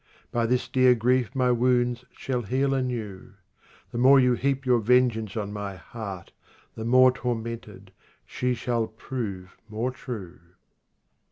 By this dear grief my wounds shall heal anew. The more you heap your vengeance on my heart. The more tormented, she shall prove more true.